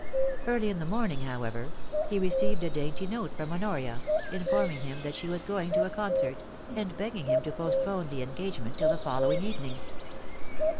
Early in the morning, however, he received a dainty note from Honoria, informing him that she was going to a concert, and begging him to postpone the engagement till the following evening.